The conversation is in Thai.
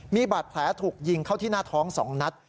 มีบาดแผลถูกยิงเข้าที่หน้าท้อง๒นัด